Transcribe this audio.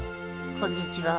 こんにちは。